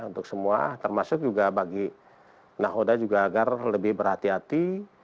untuk semua termasuk juga bagi nahoda juga agar lebih berhati hati